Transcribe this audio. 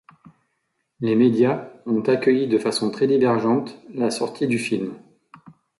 Les médias ont accueilli de façon très divergente la sortie du film.